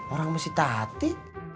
orang mau si tati